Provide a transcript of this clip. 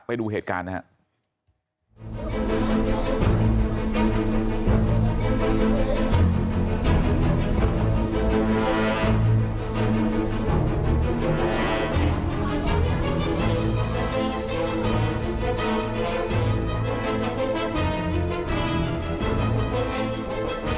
ไปดูเหตุการณ์นะครับ